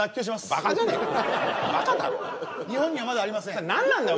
バカじゃねえのバカだろお前日本にはまだありません何なんだよ